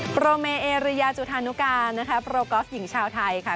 โปรเมเอเรียจุธานุกานะคะโปรกอล์ฟหญิงชาวไทยค่ะ